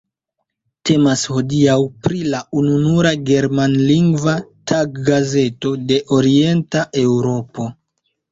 Temas hodiaŭ pri la ununura germanlingva taggazeto de Orienta Eŭropo.